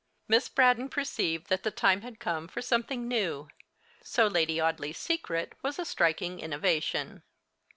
Miss Braddon perceived that the time had come for something new, so 'Lady Audley's Secret' was a striking innovation.